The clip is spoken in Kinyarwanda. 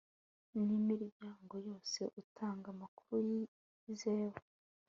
nimiryango yose utanga amakuru yizewe